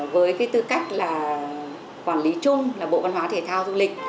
với cái tư cách là quản lý chung là bộ văn hóa thể thao du lịch